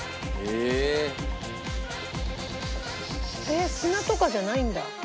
えっ砂とかじゃないんだ。